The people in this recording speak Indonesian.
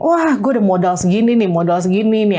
wah gue udah modal segini nih modal segini nih